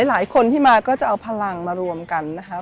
หลายคนที่มาก็จะเอาพลังมารวมกันนะคะ